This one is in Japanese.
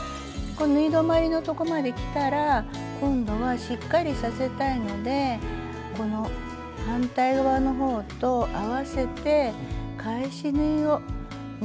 縫い止まりのとこまできたら今度はしっかりさせたいのでこの反対側の方と合わせて返し縫いを２３針します。